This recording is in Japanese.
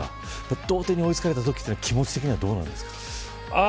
同点に追いつかれたときの気持ちは、どうなんですか。